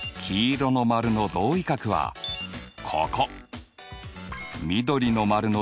緑の丸の同位角はここ。